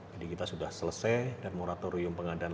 jadi kita sudah selesai dan moratorium pengadaan